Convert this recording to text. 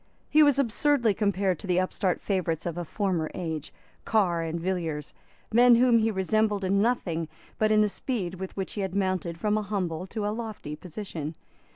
He was absurdly compared to the upstart favourites of a former age, Carr and Villiers, men whom he resembled in nothing but in the speed with which he had mounted from a humble to a lofty position.